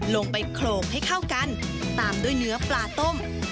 ลงไปโขลกให้เข้ากันตามด้วยเนื้อปลาต้ม